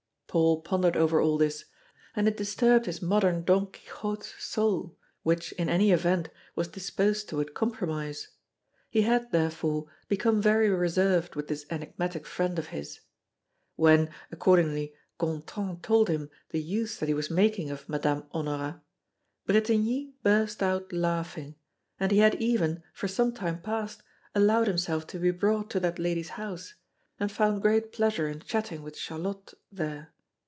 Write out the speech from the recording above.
Paul pondered over all this, and it disturbed his modern Don Quixote's soul, which, in any event, was disposed toward compromise. He had, therefore, become very reserved with this enigmatic friend of his. When, accordingly, Gontran told him the use that he was making of Madame Honorat, Bretigny burst out laughing; and he had even, for some time past, allowed himself to be brought to that lady's house, and found great pleasure in chatting with Charlotte there.